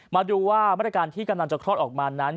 มาดูว่ามาตรการที่กำลังจะคลอดออกมานั้น